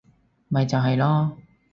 咪就係囉